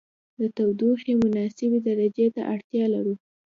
د تودوخې مناسبې درجې ته اړتیا لرو.